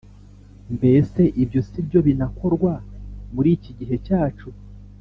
mbese ibyo sibyo binakorwa muri iki gihe cyacu?